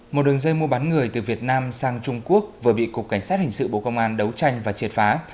một đường dây mua bán người từ việt nam sang trung quốc vừa bị cục cảnh sát hình sự bộ công an đấu tranh và triệt phá